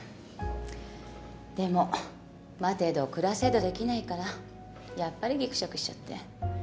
でも待てど暮らせどできないからやっぱりぎくしゃくしちゃって。